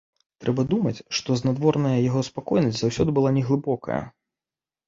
Трэба думаць, што знадворная яго спакойнасць заўсёды была не глыбокая.